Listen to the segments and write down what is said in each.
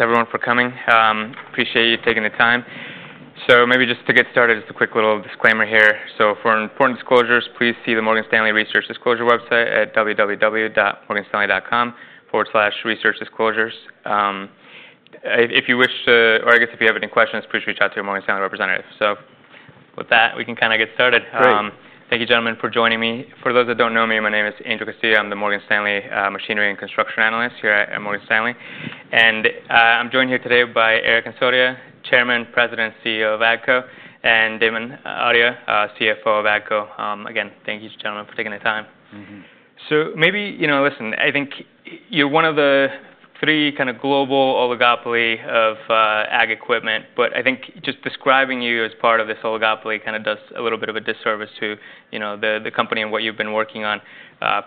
Thanks, everyone, for coming. Appreciate you taking the time. Maybe just to get started, just a quick little disclaimer here. For important disclosures, please see the Morgan Stanley Research Disclosure website at www.morganstanley.com/researchdisclosures. If you wish to, or I guess if you have any questions, please reach out to your Morgan Stanley representative. With that, we can kind of get started. Great. Thank you, gentlemen, for joining me. For those that don't know me, my name is Andrew Castilla. I'm the Morgan Stanley Machinery and Construction Analyst here at Morgan Stanley. And, I'm joined here today by Eric Hansotia, Chairman, President, CEO of AGCO, and Damon Audia, CFO of AGCO. Again, thank you, gentlemen, for taking the time. So maybe, you know, listen, I think you're one of the three kind of global oligopolies of ag equipment, but I think just describing you as part of this oligopoly kind of does a little bit of a disservice to, you know, the company and what you've been working on,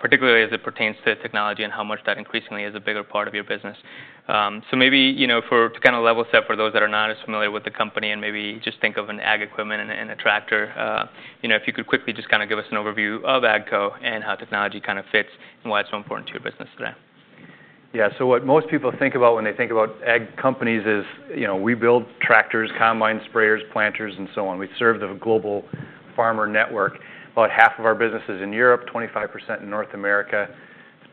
particularly as it pertains to technology and how much that increasingly is a bigger part of your business. So maybe, you know, to kind of level set for those that are not as familiar with the company and maybe just think of an ag equipment and a tractor, you know, if you could quickly just kind of give us an overview of AGCO and how technology kind of fits and why it's so important to your business today. Yeah, so what most people think about when they think about ag companies is, you know, we build tractors, combines, sprayers, planters, and so on. We serve the global farmer network. About half of our business is in Europe, 25% in North America,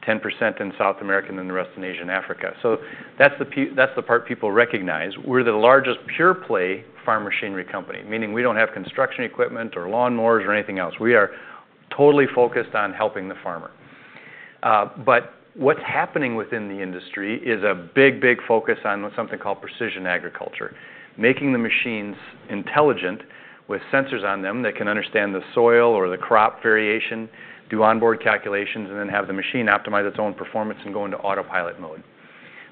10% in South America, and then the rest in Asia and Africa, so that's the part people recognize. We're the largest pure-play farm machinery company, meaning we don't have construction equipment or lawnmowers or anything else. We are totally focused on helping the farmer, but what's happening within the industry is a big, big focus on something called precision agriculture, making the machines intelligent with sensors on them that can understand the soil or the crop variation, do onboard calculations, and then have the machine optimize its own performance and go into autopilot mode.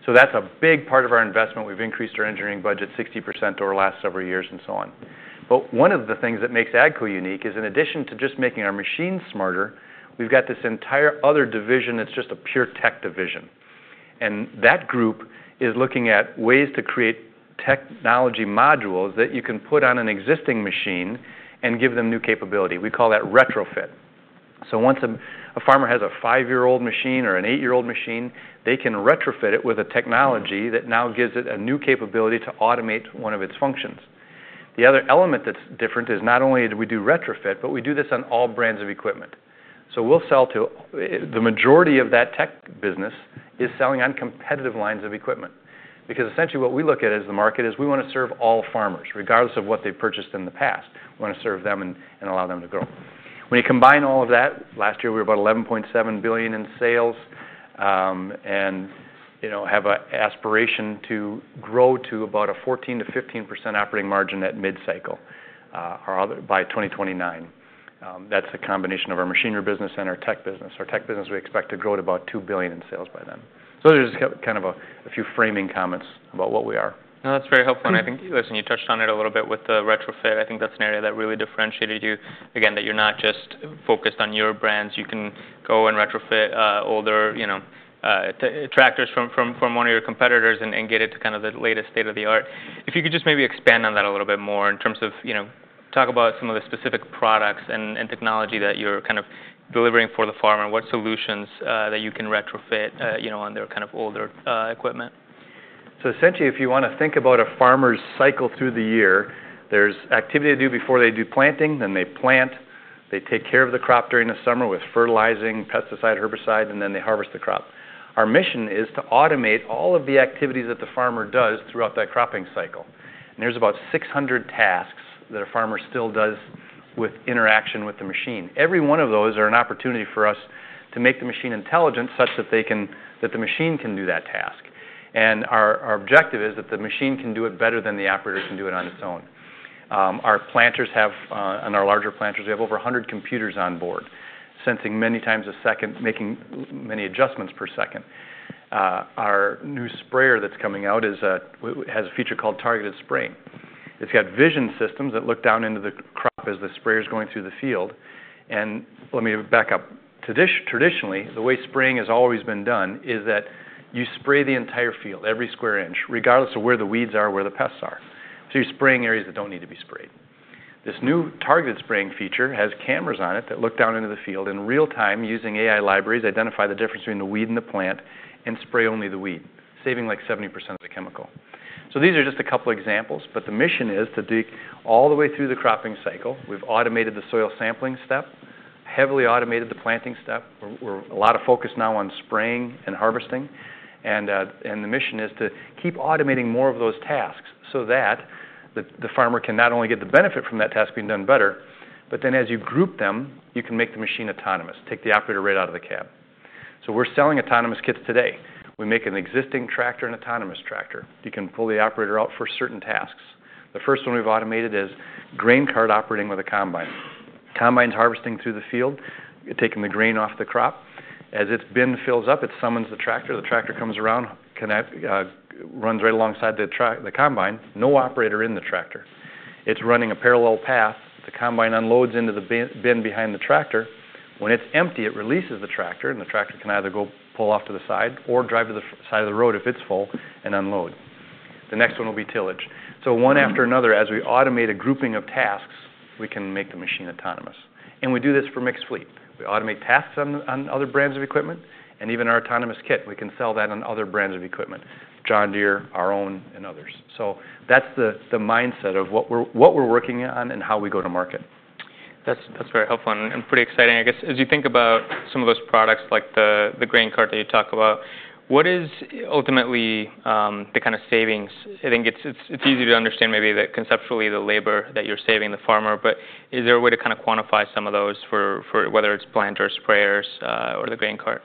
So that's a big part of our investment. We've increased our engineering budget 60% over the last several years and so on. But one of the things that makes AGCO unique is in addition to just making our machines smarter, we've got this entire other division that's just a pure tech division. And that group is looking at ways to create technology modules that you can put on an existing machine and give them new capability. We call that retrofit. So once a farmer has a five-year-old machine or an eight-year-old machine, they can retrofit it with a technology that now gives it a new capability to automate one of its functions. The other element that's different is not only do we do retrofit, but we do this on all brands of equipment. So we'll sell to the majority of that tech business is selling on competitive lines of equipment because essentially what we look at as the market is we want to serve all farmers, regardless of what they've purchased in the past. We want to serve them and allow them to grow. When you combine all of that, last year we were about $11.7 billion in sales, and, you know, have an aspiration to grow to about a 14-15% operating margin at mid-cycle, by 2029. That's a combination of our machinery business and our tech business. Our tech business, we expect to grow to about $2 billion in sales by then. So there's kind of a few framing comments about what we are. No, that's very helpful, and I think, listen, you touched on it a little bit with the retrofit. I think that's an area that really differentiated you, again, that you're not just focused on your brands. You can go and retrofit older, you know, tractors from one of your competitors and get it to kind of the latest state of the art. If you could just maybe expand on that a little bit more in terms of, you know, talk about some of the specific products and technology that you're kind of delivering for the farmer, what solutions that you can retrofit, you know, on their kind of older equipment? So essentially, if you want to think about a farmer's cycle through the year, there's activity to do before they do planting, then they plant, they take care of the crop during the summer with fertilizing, pesticide, herbicide, and then they harvest the crop. Our mission is to automate all of the activities that the farmer does throughout that cropping cycle. And there's about 600 tasks that a farmer still does with interaction with the machine. Every one of those is an opportunity for us to make the machine intelligent such that they can, that the machine can do that task. And our objective is that the machine can do it better than the operator can do it on its own. Our planters have, in our larger planters, we have over 100 computers on board, sensing many times a second, making many adjustments per second. Our new sprayer that's coming out is, has a feature called targeted spraying. It's got vision systems that look down into the crop as the sprayer's going through the field. Let me back up. Traditionally, the way spraying has always been done is that you spray the entire field, every square inch, regardless of where the weeds are, where the pests are. You're spraying areas that don't need to be sprayed. This new targeted spraying feature has cameras on it that look down into the field in real time using AI libraries, identify the difference between the weed and the plant, and spray only the weed, saving like 70% of the chemical. These are just a couple of examples, but the mission is to dig all the way through the cropping cycle. We've automated the soil sampling step, heavily automated the planting step. have a lot of focus now on spraying and harvesting. And the mission is to keep automating more of those tasks so that the farmer can not only get the benefit from that task being done better, but then as you group them, you can make the machine autonomous, take the operator right out of the cab. So we're selling autonomous kits today. We make an existing tractor an autonomous tractor. You can pull the operator out for certain tasks. The first one we've automated is grain cart operating with a combine. Combine's harvesting through the field, taking the grain off the crop. As its bin fills up, it summons the tractor. The tractor comes around, connects, runs right alongside the combine. No operator in the tractor. It's running a parallel path. The combine unloads into the bin behind the tractor. When it's empty, it releases the tractor, and the tractor can either go pull off to the side or drive to the side of the road if it's full and unload. The next one will be tillage. So one after another, as we automate a grouping of tasks, we can make the machine autonomous. And we do this for mixed fleet. We automate tasks on other brands of equipment, and even our autonomous kit, we can sell that on other brands of equipment, John Deere, our own, and others. So that's the mindset of what we're working on and how we go to market. That's very helpful and pretty exciting. I guess as you think about some of those products like the grain cart that you talk about, what is ultimately, the kind of savings? I think it's easy to understand maybe that conceptually the labor that you're saving the farmer, but is there a way to kind of quantify some of those for whether it's planters or sprayers, or the grain cart?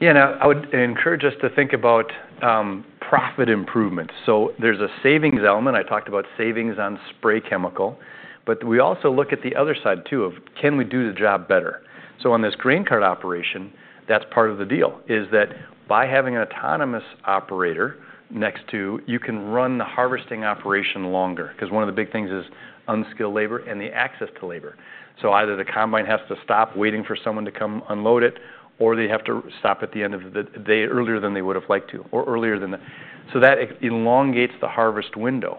Yeah, and I would encourage us to think about profit improvement. So there's a savings element. I talked about savings on spray chemical, but we also look at the other side too of can we do the job better? So on this grain cart operation, that's part of the deal is that by having an autonomous operator next to you, you can run the harvesting operation longer because one of the big things is unskilled labor and the access to labor. So either the combine has to stop waiting for someone to come unload it, or they have to stop at the end of the day earlier than they would have liked to, or earlier than that. So that elongates the harvest window.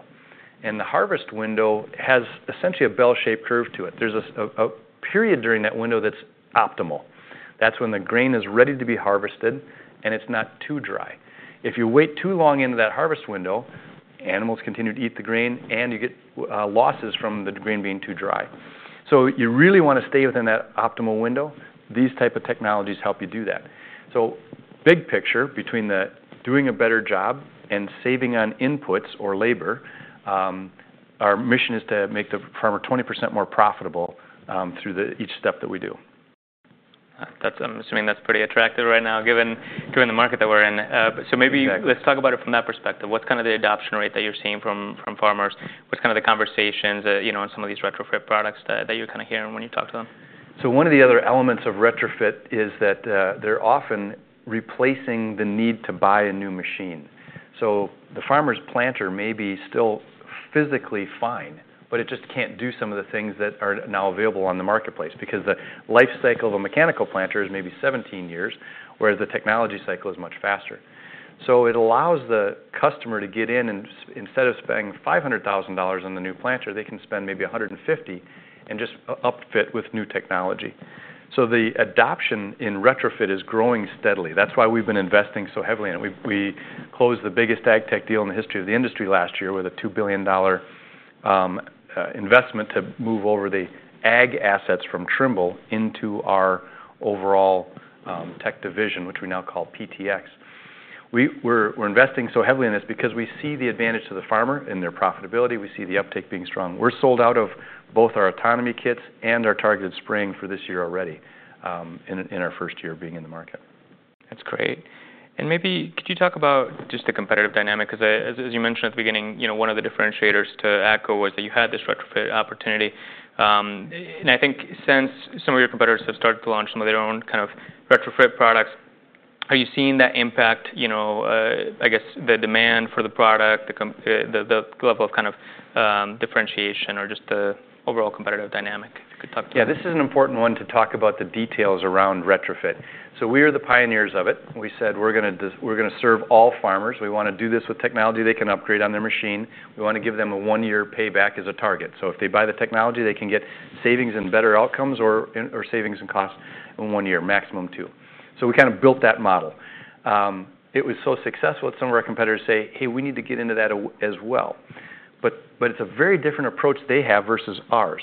And the harvest window has essentially a bell-shaped curve to it. There's a period during that window that's optimal. That's when the grain is ready to be harvested and it's not too dry. If you wait too long into that harvest window, animals continue to eat the grain and you get losses from the grain being too dry. So you really want to stay within that optimal window. These types of technologies help you do that. So big picture between doing a better job and saving on inputs or labor, our mission is to make the farmer 20% more profitable, through each step that we do. I'm assuming that's pretty attractive right now given the market that we're in. So maybe let's talk about it from that perspective. What's kind of the adoption rate that you're seeing from farmers? What's kind of the conversations, you know, on some of these retrofit products that you're kind of hearing when you talk to them? So one of the other elements of retrofit is that they're often replacing the need to buy a new machine. So the farmer's planter may be still physically fine, but it just can't do some of the things that are now available on the marketplace because the life cycle of a mechanical planter is maybe 17 years, whereas the technology cycle is much faster. So it allows the customer to get in and instead of spending $500,000 on the new planter, they can spend maybe $150,000 and just upfit with new technology. So the adoption in retrofit is growing steadily. That's why we've been investing so heavily in it. We closed the biggest ag tech deal in the history of the industry last year with a $2 billion investment to move over the ag assets from Trimble into our overall tech division, which we now call PTx. We're investing so heavily in this because we see the advantage to the farmer in their profitability. We see the uptake being strong. We're sold out of both our autonomy kits and our targeted spraying for this year already, in our first year of being in the market. That's great. And maybe could you talk about just the competitive dynamic? Because as you mentioned at the beginning, you know, one of the differentiators to AGCO was that you had this retrofit opportunity. And I think since some of your competitors have started to launch some of their own kind of retrofit products, are you seeing that impact, you know, I guess the demand for the product, the level of kind of, differentiation or just the overall competitive dynamic if you could talk to us? Yeah, this is an important one to talk about the details around retrofit. So we are the pioneers of it. We said we're going to serve all farmers. We want to do this with technology they can upgrade on their machine. We want to give them a one-year payback as a target. So if they buy the technology, they can get savings and better outcomes or savings and costs in one year, maximum two. So we kind of built that model. It was so successful that some of our competitors say, "Hey, we need to get into that as well." But it's a very different approach they have versus ours.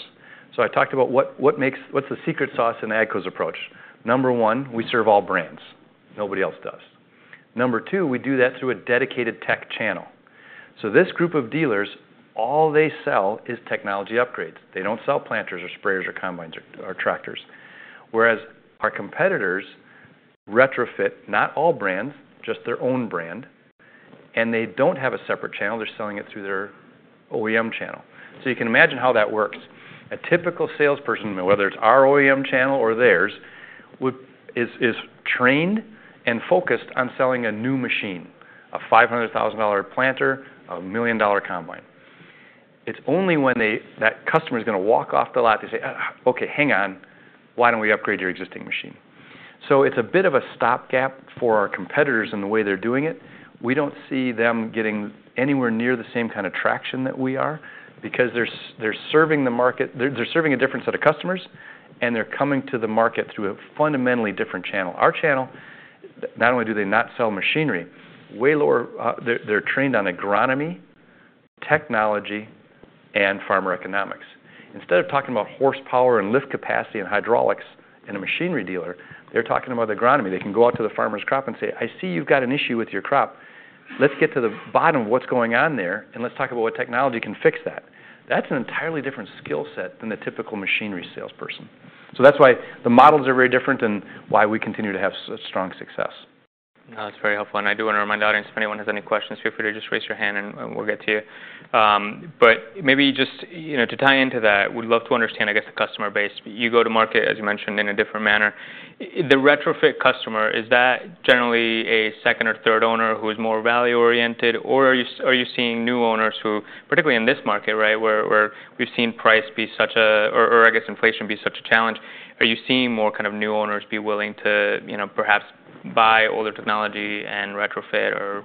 So I talked about what makes, what's the secret sauce in AGCO's approach. Number one, we serve all brands. Nobody else does. Number two, we do that through a dedicated tech channel. This group of dealers, all they sell is technology upgrades. They don't sell planters or sprayers or combines or tractors. Whereas our competitors retrofit not all brands, just their own brand, and they don't have a separate channel. They're selling it through their OEM channel. You can imagine how that works. A typical salesperson, whether it's our OEM channel or theirs, is trained and focused on selling a new machine, a $500,000 planter, a million-dollar combine. It's only when that customer is going to walk off the lot, they say, "Okay, hang on. Why don't we upgrade your existing machine?" It's a bit of a stopgap for our competitors in the way they're doing it. We don't see them getting anywhere near the same kind of traction that we are because they're serving the market. They're serving a different set of customers, and they're coming to the market through a fundamentally different channel. Our channel, not only do they not sell machinery, way lower, they're trained on agronomy, technology, and farmer economics. Instead of talking about horsepower and lift capacity and hydraulics in a machinery dealer, they're talking about agronomy. They can go out to the farmer's crop and say, "I see you've got an issue with your crop. Let's get to the bottom of what's going on there and let's talk about what technology can fix that." That's an entirely different skill set than the typical machinery salesperson. So that's why the models are very different and why we continue to have such strong success. No, that's very helpful. And I do want to remind the audience, if anyone has any questions, feel free to just raise your hand and we'll get to you. But maybe just, you know, to tie into that, we'd love to understand, I guess, the customer base. You go to market, as you mentioned, in a different manner. The retrofit customer, is that generally a second or third owner who is more value-oriented, or are you seeing new owners who, particularly in this market, right, where we've seen price be such a, or I guess inflation be such a challenge, are you seeing more kind of new owners be willing to, you know, perhaps buy older technology and retrofit, or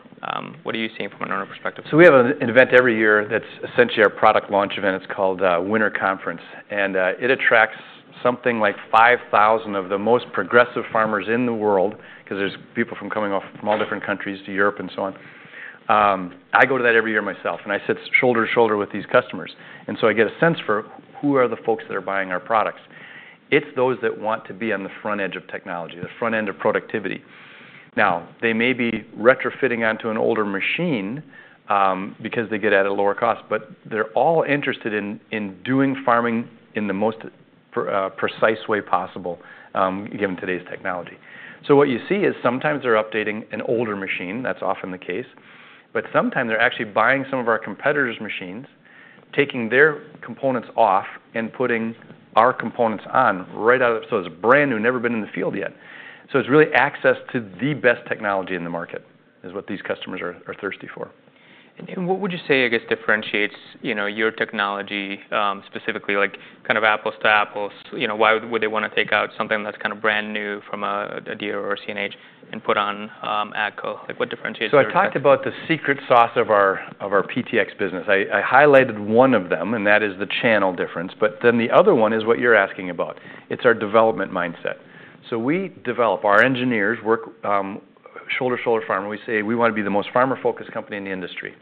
what are you seeing from an owner perspective? So we have an event every year that's essentially our product launch event. It's called Winter Conference, and it attracts something like 5,000 of the most progressive farmers in the world because there's people from coming off from all different countries to Europe and so on. I go to that every year myself, and I sit shoulder to shoulder with these customers, and so I get a sense for who are the folks that are buying our products. It's those that want to be on the front edge of technology, the front end of productivity. Now, they may be retrofitting onto an older machine, because they get at a lower cost, but they're all interested in doing farming in the most precise way possible, given today's technology. What you see is sometimes they're updating an older machine. That's often the case, but sometimes they're actually buying some of our competitors' machines, taking their components off and putting our components on right out of it. So it's brand new, never been in the field yet. So it's really access to the best technology in the market is what these customers are thirsty for. And what would you say, I guess, differentiates, you know, your technology specifically, like kind of apples to apples, you know, why would they want to take out something that's kind of brand new from a dealer or a CNH and put on AGCO? Like what differentiates it? I talked about the secret sauce of our PTx business. I highlighted one of them, and that is the channel difference, but then the other one is what you're asking about. It's our development mindset. We develop, our engineers work shoulder to shoulder farmer. We say we want to be the most farmer-focused company in the industry,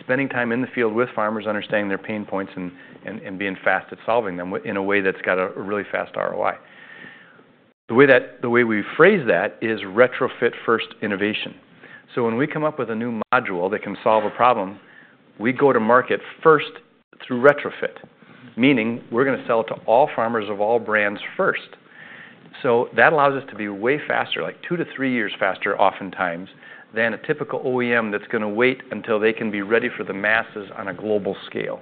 spending time in the field with farmers, understanding their pain points and being fast at solving them in a way that's got a really fast ROI. The way we phrase that is retrofit-first innovation. When we come up with a new module that can solve a problem, we go to market first through retrofit, meaning we're going to sell it to all farmers of all brands first. So that allows us to be way faster, like two to three years faster oftentimes than a typical OEM that's going to wait until they can be ready for the masses on a global scale.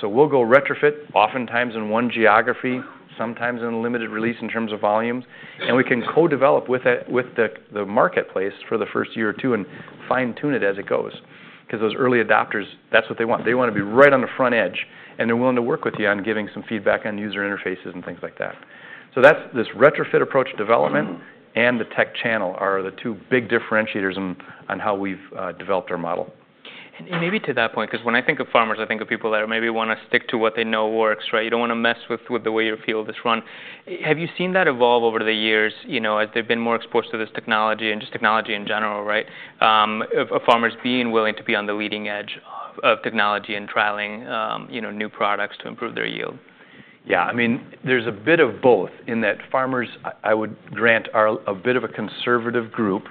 So we'll go retrofit oftentimes in one geography, sometimes in limited release in terms of volumes, and we can co-develop with the marketplace for the first year or two and fine-tune it as it goes. Because those early adopters, that's what they want. They want to be right on the front edge, and they're willing to work with you on giving some feedback on user interfaces and things like that. So that's this retrofit approach development and the tech channel are the two big differentiators on how we've developed our model. And maybe to that point, because when I think of farmers, I think of people that maybe want to stick to what they know works, right? You don't want to mess with the way your field is run. Have you seen that evolve over the years, you know, as they've been more exposed to this technology and just technology in general, right? Of farmers being willing to be on the leading edge of technology and trialing, you know, new products to improve their yield? Yeah, I mean, there's a bit of both in that farmers, I would grant, are a bit of a conservative group.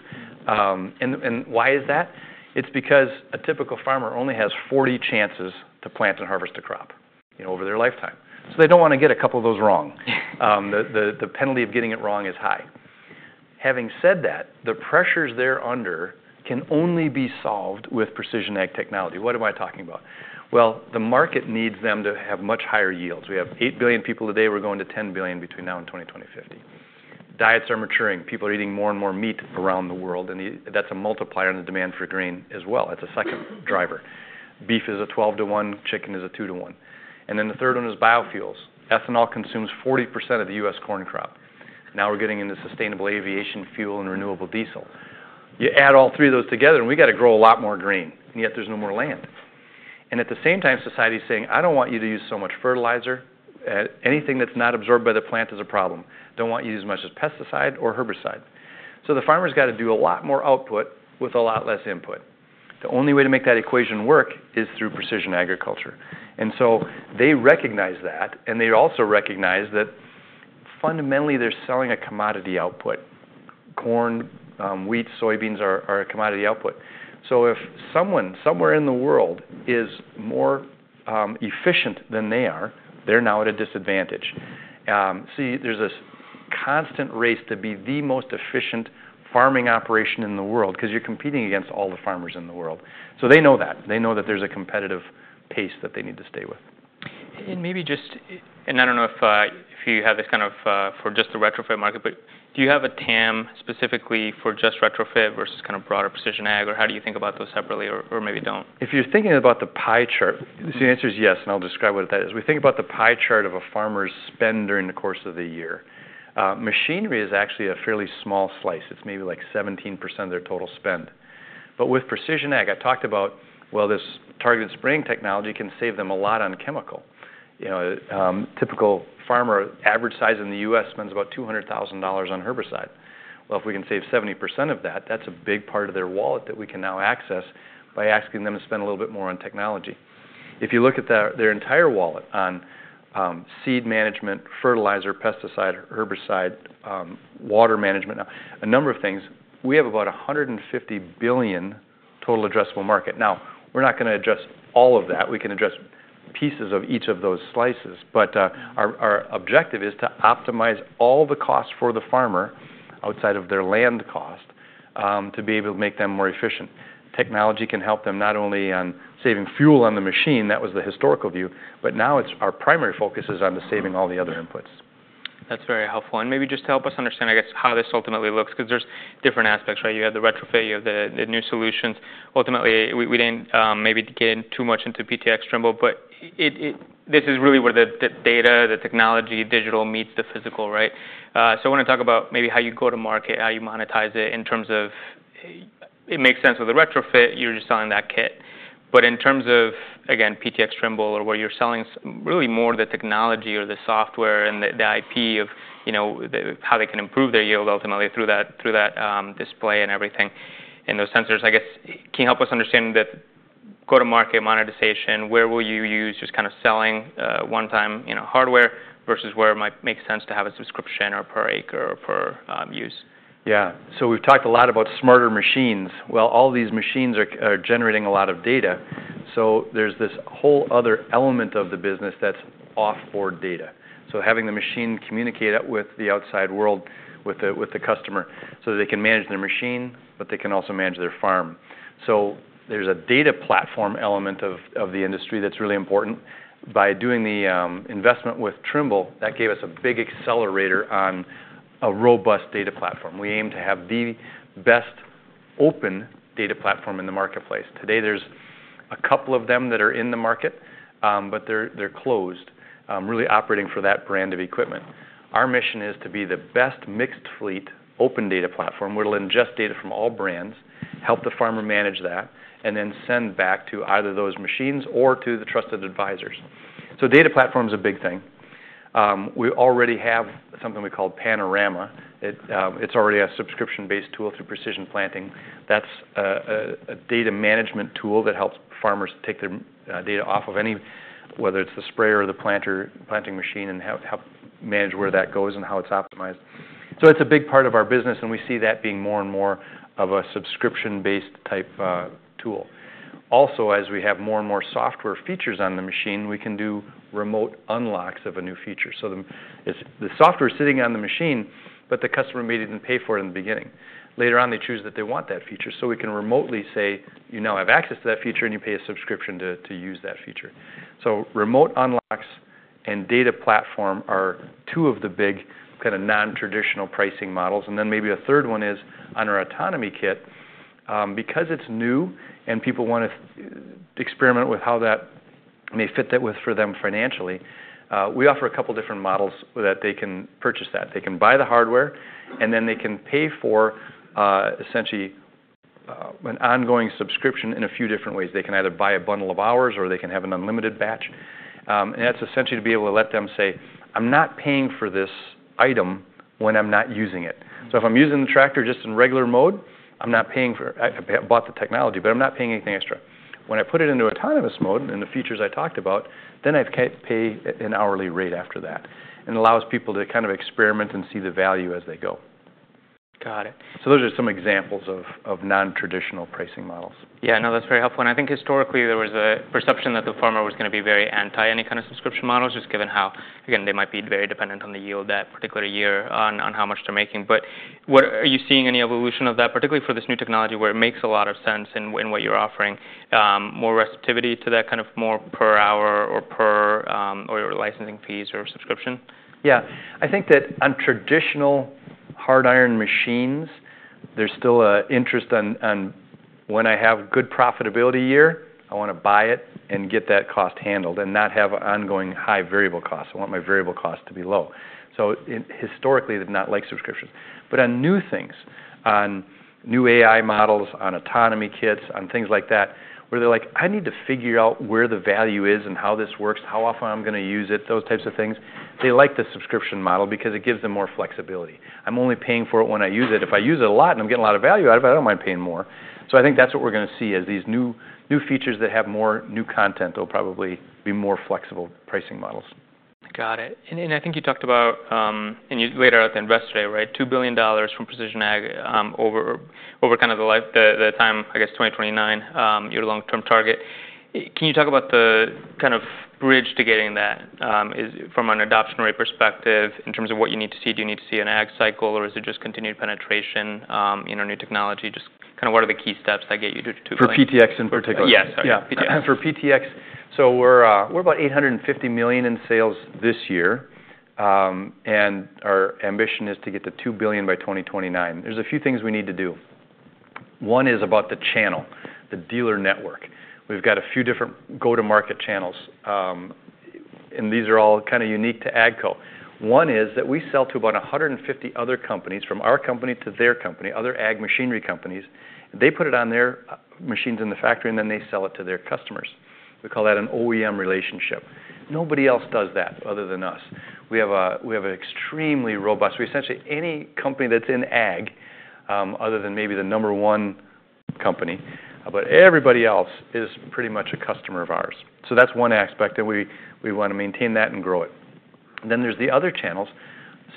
And why is that? It's because a typical farmer only has 40 chances to plant and harvest a crop, you know, over their lifetime. So they don't want to get a couple of those wrong. The penalty of getting it wrong is high. Having said that, the pressures thereunder can only be solved with precision ag technology. What am I talking about? Well, the market needs them to have much higher yields. We have eight billion people today. We're going to 10 billion between now and 2025. Diets are maturing. People are eating more and more meat around the world, and that's a multiplier in the demand for grain as well. That's a second driver. Beef is a 12 to 1, chicken is a 2 to 1. And then the third one is biofuels. Ethanol consumes 40% of the U.S. corn crop. Now we're getting into sustainable aviation fuel and renewable diesel. You add all three of those together, and we got to grow a lot more grain, and yet there's no more land. And at the same time, society is saying, "I don't want you to use so much fertilizer. Anything that's not absorbed by the plant is a problem. Don't want you to use as much as pesticide or herbicide." So the farmer's got to do a lot more output with a lot less input. The only way to make that equation work is through precision agriculture. And so they recognize that, and they also recognize that fundamentally they're selling a commodity output. Corn, wheat, soybeans are a commodity output. So if someone somewhere in the world is more efficient than they are, they're now at a disadvantage. See, there's this constant race to be the most efficient farming operation in the world because you're competing against all the farmers in the world. So they know that. They know that there's a competitive pace that they need to stay with. Maybe just, I don't know if you have this kind of for just the retrofit market, but do you have a TAM specifically for just retrofit versus kind of broader precision ag, or how do you think about those separately or maybe don't? If you're thinking about the pie chart, the answer is yes, and I'll describe what that is. We think about the pie chart of a farmer's spend during the course of the year. Machinery is actually a fairly small slice. It's maybe like 17% of their total spend. But with precision ag, I talked about, well, this targeted spraying technology can save them a lot on chemical. You know, typical farmer, average size in the U.S. spends about $200,000 on herbicide. Well, if we can save 70% of that, that's a big part of their wallet that we can now access by asking them to spend a little bit more on technology. If you look at their entire wallet on seed management, fertilizer, pesticide, herbicide, water management, a number of things, we have about $150 billion total addressable market. Now, we're not going to address all of that. We can address pieces of each of those slices, but our objective is to optimize all the costs for the farmer outside of their land cost to be able to make them more efficient. Technology can help them not only on saving fuel on the machine, that was the historical view, but now our primary focus is on saving all the other inputs. That's very helpful. And maybe just to help us understand, I guess, how this ultimately looks, because there's different aspects, right? You have the retrofit, you have the new solutions. Ultimately, we didn't maybe get in too much into PTx Trimble, but this is really where the data, the technology, digital meets the physical, right? So I want to talk about maybe how you go to market, how you monetize it in terms of it makes sense with the retrofit, you're just selling that kit. But in terms of, again, PTx Trimble or where you're selling really more the technology or the software and the IP of, you know, how they can improve their yield ultimately through that display and everything and those sensors, I guess, can you help us understand that go to market monetization, where will you use just kind of selling one-time, you know, hardware versus where it might make sense to have a subscription or per acre or per use? Yeah. So we've talked a lot about smarter machines. Well, all these machines are generating a lot of data. So there's this whole other element of the business that's offboard data. So having the machine communicate with the outside world, with the customer, so that they can manage their machine, but they can also manage their farm. So there's a data platform element of the industry that's really important. By doing the investment with Trimble, that gave us a big accelerator on a robust data platform. We aim to have the best open data platform in the marketplace. Today, there's a couple of them that are in the market, but they're closed, really operating for that brand of equipment. Our mission is to be the best mixed fleet open data platform. We'll ingest data from all brands, help the farmer manage that, and then send back to either those machines or to the trusted advisors. So data platform is a big thing. We already have something we call Panorama. It's already a subscription-based tool through Precision Planting. That's a data management tool that helps farmers take their data off of any, whether it's the sprayer or the planter planting machine and help manage where that goes and how it's optimized. So it's a big part of our business, and we see that being more and more of a subscription-based type tool. Also, as we have more and more software features on the machine, we can do remote unlocks of a new feature. So the software is sitting on the machine, but the customer may even pay for it in the beginning. Later on, they choose that they want that feature. So we can remotely say, you now have access to that feature and you pay a subscription to use that feature. So remote unlocks and data platform are two of the big kind of non-traditional pricing models. And then maybe a third one is on our autonomy kit. Because it's new and people want to experiment with how that may fit that with for them financially, we offer a couple of different models that they can purchase that. They can buy the hardware and then they can pay for essentially an ongoing subscription in a few different ways. They can either buy a bundle of hours or they can have an unlimited batch. And that's essentially to be able to let them say, I'm not paying for this item when I'm not using it. So if I'm using the tractor just in regular mode, I'm not paying for it. I bought the technology, but I'm not paying anything extra. When I put it into autonomous mode and the features I talked about, then I pay an hourly rate after that. And it allows people to kind of experiment and see the value as they go. Got it. So those are some examples of non-traditional pricing models. Yeah, no, that's very helpful. And I think historically there was a perception that the farmer was going to be very anti any kind of subscription models, just given how, again, they might be very dependent on the yield that particular year on how much they're making. But are you seeing any evolution of that, particularly for this new technology where it makes a lot of sense in what you're offering, more receptivity to that kind of more per hour or per licensing fees or subscription? Yeah. I think that on traditional hard iron machines, there's still an interest on when I have good profitability year, I want to buy it and get that cost handled and not have ongoing high variable costs. I want my variable costs to be low. So historically, they've not liked subscriptions. But on new things, on new AI models, on autonomy kits, on things like that, where they're like, I need to figure out where the value is and how this works, how often I'm going to use it, those types of things, they like the subscription model because it gives them more flexibility. I'm only paying for it when I use it. If I use it a lot and I'm getting a lot of value out of it, I don't mind paying more. So, I think that's what we're going to see is these new features that have more new content that will probably be more flexible pricing models. Got it. And I think you talked about, and you laid out the investor today, right? $2 billion from precision ag over kind of the time, I guess, 2029, your long-term target. Can you talk about the kind of bridge to getting that from an adoption rate perspective in terms of what you need to see? Do you need to see an ag cycle or is it just continued penetration in our new technology? Just kind of what are the key steps that get you to. For PTx in particular? Yes, sorry. For PTx, so we're about $850 million in sales this year, and our ambition is to get to $2 billion by 2029. There's a few things we need to do. One is about the channel, the dealer network. We've got a few different go-to-market channels, and these are all kind of unique to AGCO. One is that we sell to about 150 other companies from our company to their company, other ag machinery companies. They put it on their machines in the factory, and then they sell it to their customers. We call that an OEM relationship. Nobody else does that other than us. We have an extremely robust, we essentially any company that's in ag other than maybe the number one company, but everybody else is pretty much a customer of ours. So that's one aspect, and we want to maintain that and grow it. Then there's the other channels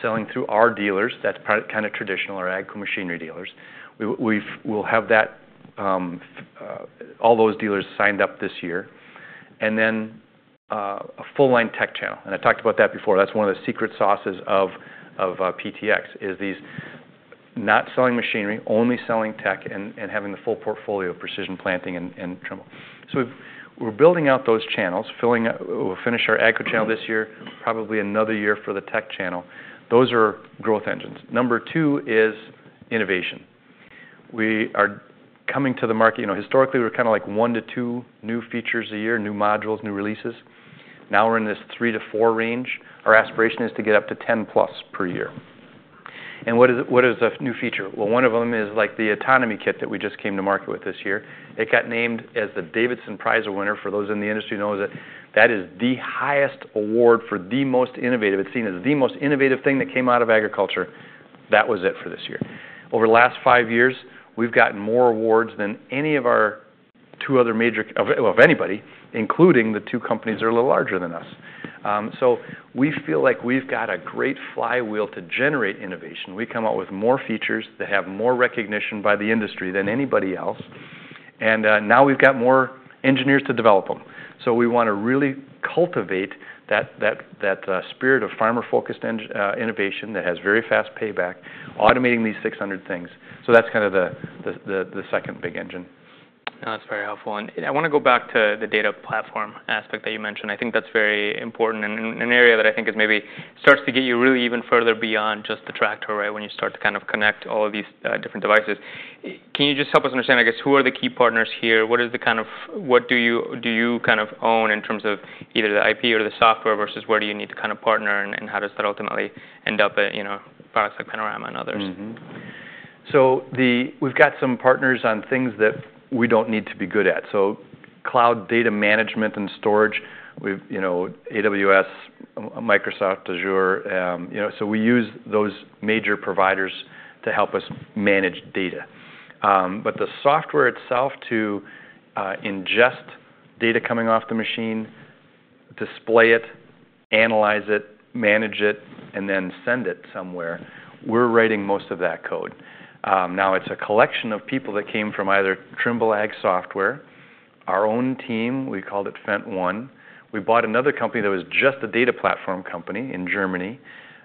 selling through our dealers. That's kind of traditional, our AGCO machinery dealers. We'll have all those dealers signed up this year. And then a full-line tech channel. And I talked about that before. That's one of the secret sauces of PTx is these not selling machinery, only selling tech and having the full portfolio of Precision Planting and Trimble. So we're building out those channels, filling up, we'll finish our AGCO channel this year, probably another year for the tech channel. Those are growth engines. Number two is innovation. We are coming to the market, you know, historically we're kind of like one to two new features a year, new modules, new releases. Now we're in this three to four range. Our aspiration is to get up to 10 plus per year. And what is a new feature? One of them is like the Autonomy kit that we just came to market with this year. It got named as the Davidson Prize winner for those in the industry who knows it. That is the highest award for the most innovative. It's seen as the most innovative thing that came out of agriculture. That was it for this year. Over the last five years, we've gotten more awards than any of our two other major, of anybody, including the two companies that are a little larger than us. We feel like we've got a great flywheel to generate innovation. We come out with more features that have more recognition by the industry than anybody else. Now we've got more engineers to develop them. We want to really cultivate that spirit of farmer-focused innovation that has very fast payback, automating these 600 things. So that's kind of the second big engine. That's very helpful, and I want to go back to the data platform aspect that you mentioned. I think that's very important and an area that I think is maybe starts to get you really even further beyond just the tractor, right? When you start to kind of connect all of these different devices. Can you just help us understand, I guess, who are the key partners here? What do you kind of own in terms of either the IP or the software versus where do you need to kind of partner and how does that ultimately end up at, you know, products like Panorama and others? So we've got some partners on things that we don't need to be good at. So cloud data management and storage, you know, AWS, Microsoft, Azure, you know, so we use those major providers to help us manage data. But the software itself to ingest data coming off the machine, display it, analyze it, manage it, and then send it somewhere, we're writing most of that code. Now it's a collection of people that came from either Trimble Ag software, our own team, we called it FendtONE. We bought another company that was just a data platform company in Germany,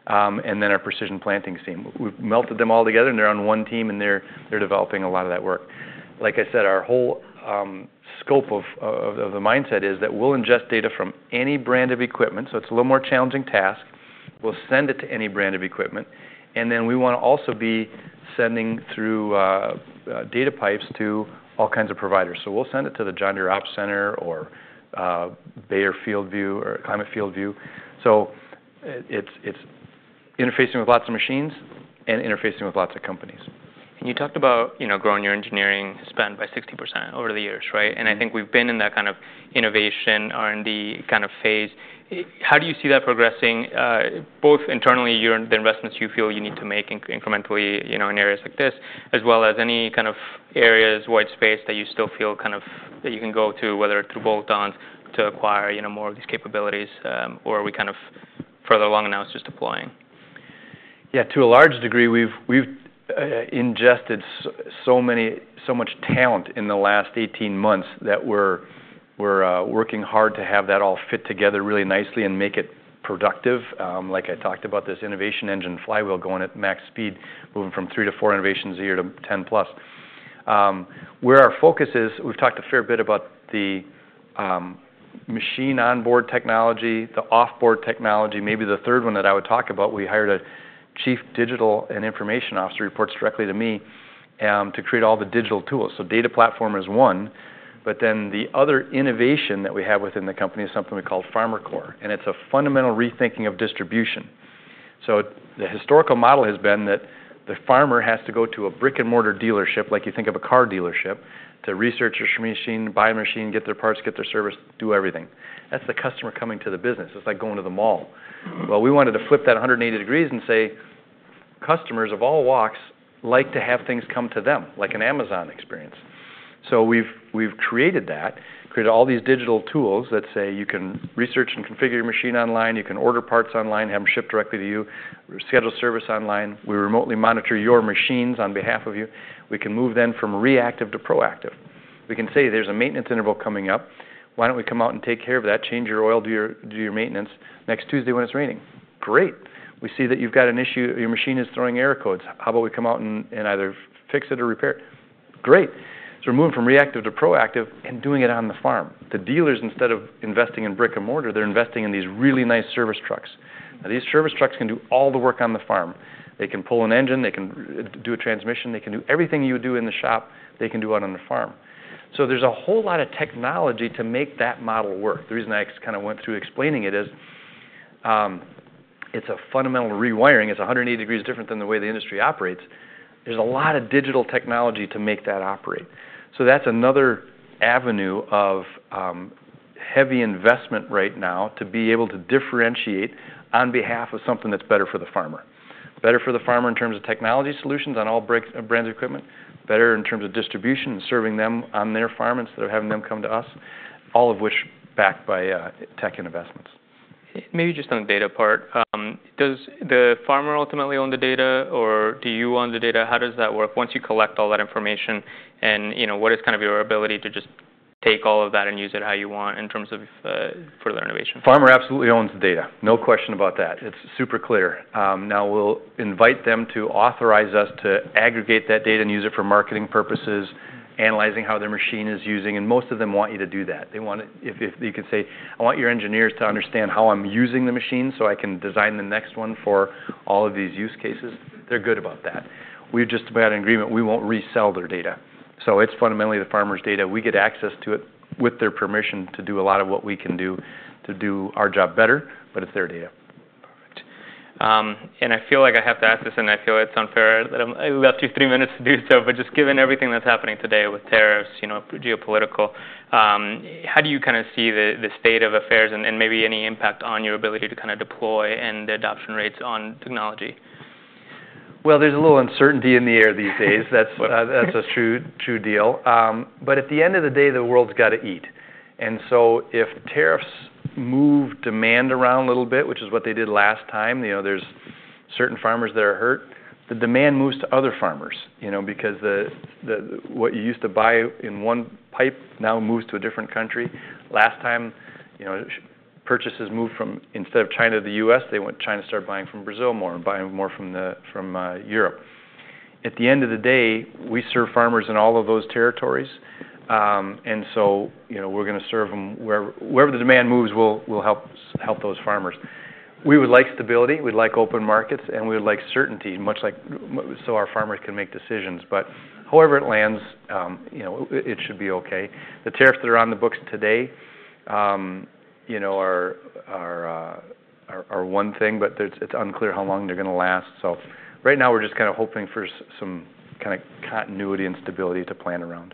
and then our Precision Planting team. We've melted them all together and they're on one team and they're developing a lot of that work. Like I said, our whole scope of the mindset is that we'll ingest data from any brand of equipment, so it's a little more challenging task. We'll send it to any brand of equipment, and then we want to also be sending through data pipes to all kinds of providers. So we'll send it to the John Deere Ops Center or Bayer FieldView or Climate FieldView. So it's interfacing with lots of machines and interfacing with lots of companies. And you talked about, you know, growing your engineering spend by 60% over the years, right? And I think we've been in that kind of innovation R&D kind of phase. How do you see that progressing both internally, the investments you feel you need to make incrementally, you know, in areas like this, as well as any kind of areas, white space that you still feel kind of that you can go to, whether through bolt-ons to acquire, you know, more of these capabilities, or are we kind of further along now it's just deploying? Yeah, to a large degree, we've ingested so much talent in the last 18 months that we're working hard to have that all fit together really nicely and make it productive. Like I talked about this innovation engine flywheel going at max speed, moving from three to four innovations a year to 10 plus. Where our focus is, we've talked a fair bit about the machine onboard technology, the offboard technology, maybe the third one that I would talk about. We hired a chief digital and information officer who reports directly to me to create all the digital tools. So data platform is one, but then the other innovation that we have within the company is something we call FarmerCore, and it's a fundamental rethinking of distribution. The historical model has been that the farmer has to go to a brick-and-mortar dealership, like you think of a car dealership, to research a machine, buy a machine, get their parts, get their service, do everything. That's the customer coming to the business. It's like going to the mall. We wanted to flip that 180 degrees and say, customers of all walks like to have things come to them, like an Amazon experience. We've created that, created all these digital tools that say you can research and configure your machine online, you can order parts online, have them shipped directly to you, schedule service online. We remotely monitor your machines on behalf of you. We can move them from reactive to proactive. We can say there's a maintenance interval coming up. Why don't we come out and take care of that, change your oil, do your maintenance next Tuesday when it's raining? Great. We see that you've got an issue, your machine is throwing error codes. How about we come out and either fix it or repair it? Great. So we're moving from reactive to proactive and doing it on the farm. The dealers, instead of investing in brick and mortar, they're investing in these really nice service trucks. Now these service trucks can do all the work on the farm. They can pull an engine, they can do a transmission, they can do everything you would do in the shop, they can do it on the farm. So there's a whole lot of technology to make that model work. The reason I kind of went through explaining it is it's a fundamental rewiring. It's 180 degrees different than the way the industry operates. There's a lot of digital technology to make that operate. So that's another avenue of heavy investment right now to be able to differentiate on behalf of something that's better for the farmer. Better for the farmer in terms of technology solutions on all brands of equipment, better in terms of distribution and serving them on their farm instead of having them come to us, all of which backed by tech and investments. Maybe just on the data part, does the farmer ultimately own the data or do you own the data? How does that work once you collect all that information and, you know, what is kind of your ability to just take all of that and use it how you want in terms of further innovation? farmer absolutely owns the data. No question about that. It's super clear. Now we'll invite them to authorize us to aggregate that data and use it for marketing purposes, analyzing how their machine is using, and most of them want you to do that. They want it, if you can say, I want your engineers to understand how I'm using the machine so I can design the next one for all of these use cases. They're good about that. We've just been in agreement, we won't resell their data. So it's fundamentally the farmer's data. We get access to it with their permission to do a lot of what we can do to do our job better, but it's their data. Perfect. And I feel like I have to ask this and I feel like it's unfair that I've left you three minutes to do so, but just given everything that's happening today with tariffs, you know, geopolitical, how do you kind of see the state of affairs and maybe any impact on your ability to kind of deploy and the adoption rates on technology? There's a little uncertainty in the air these days. That's a true deal. But at the end of the day, the world's got to eat. And so if tariffs move demand around a little bit, which is what they did last time, you know, there's certain farmers that are hurt, the demand moves to other farmers, you know, because what you used to buy in one pipe now moves to a different country. Last time, you know, purchases moved from, instead of China to the U.S., they went. China started buying from Brazil more and buying more from Europe. At the end of the day, we serve farmers in all of those territories. And so, you know, we're going to serve them wherever the demand moves, we'll help those farmers. We would like stability, we'd like open markets, and we would like certainty, much like so our farmers can make decisions, but however it lands, you know, it should be okay. The tariffs that are on the books today, you know, are one thing, but it's unclear how long they're going to last, so right now we're just kind of hoping for some kind of continuity and stability to plan around.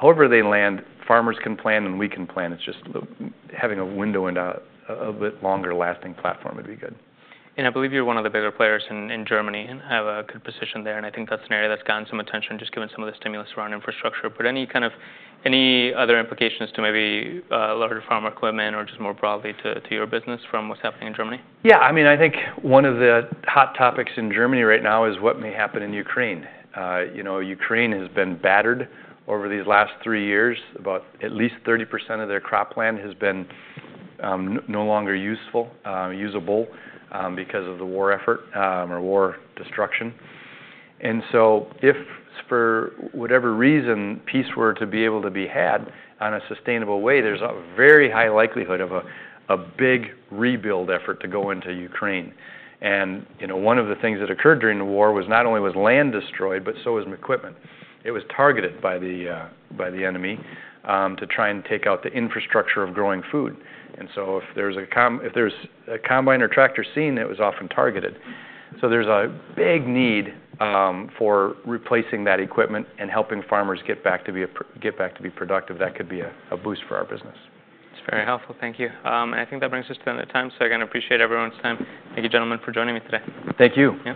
However they land, farmers can plan and we can plan. It's just having a window and a bit longer lasting platform would be good. I believe you're one of the bigger players in Germany and have a good position there. I think that's an area that's gotten some attention just given some of the stimulus around infrastructure. Any kind of other implications to maybe larger farmer equipment or just more broadly to your business from what's happening in Germany? Yeah, I mean, I think one of the hot topics in Germany right now is what may happen in Ukraine. You know, Ukraine has been battered over these last three years. About at least 30% of their cropland has been no longer useful, usable because of the war effort or war destruction. And so if for whatever reason peace were to be able to be had on a sustainable way, there's a very high likelihood of a big rebuild effort to go into Ukraine. And, you know, one of the things that occurred during the war was not only was land destroyed, but so was equipment. It was targeted by the enemy to try and take out the infrastructure of growing food. And so if there's a combine or tractor seen, it was often targeted. So there's a big need for replacing that equipment and helping farmers get back to be productive. That could be a boost for our business. That's very helpful. Thank you. And I think that brings us to the end of time. So again, I appreciate everyone's time. Thank you, gentlemen, for joining me today. Thank you.